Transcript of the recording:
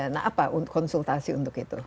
nah apa konsultasi untuk itu